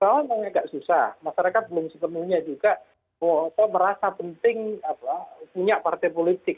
kalau memang agak susah masyarakat belum sepenuhnya juga merasa penting punya partai politik